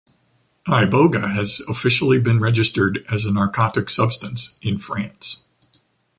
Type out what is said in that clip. Iboga has officially been registered as a narcotic substance in France.